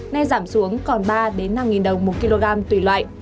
nay giảm xuống còn ba năm đồng một kg tùy loại